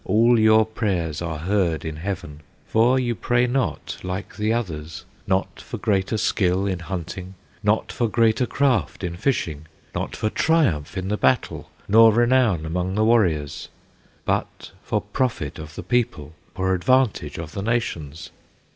All your prayers are heard in heaven, For you pray not like the others; Not for greater skill in hunting, Not for greater craft in fishing, Not for triumph in the battle, Nor renown among the warriors, But for profit of the people, For advantage of the nations.